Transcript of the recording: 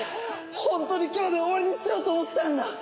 ほんとに今日で終わりにしようと思ったんだ！